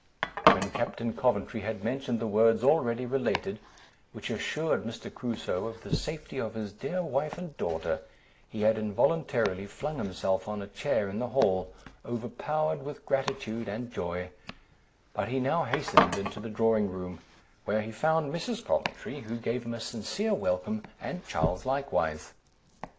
When Captain Coventry had mentioned the words already related, which assured Mr. Crusoe of the safety of his dear wife and daughter, he had involuntarily flung himself on a chair in the hall, overpowered with gratitude and joy, but he now hastened into the drawing room, where he found Mrs. Coventry, who gave him a sincere welcome, and Charles likewise.